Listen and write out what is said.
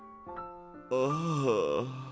ああ。